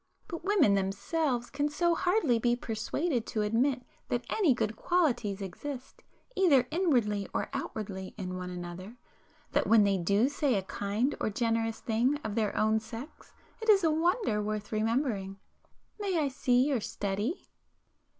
But women themselves can so hardly be persuaded to admit that any good qualities exist either inwardly or outwardly in one another, that when they do say a kind or generous thing of their own sex it is a wonder worth remembering. May I your study?"